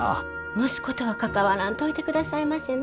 息子とは関わらんといてくださいませね。